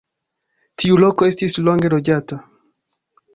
Tiu loko estis longe loĝata.